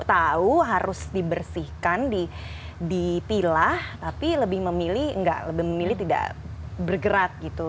tahu harus dibersihkan dipilah tapi lebih memilih tidak bergerak gitu